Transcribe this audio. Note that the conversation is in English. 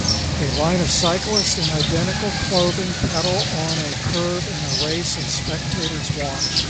a line of cyclists in identical clothing pedal on a curve in a race as spectators watch